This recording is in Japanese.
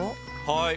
はい。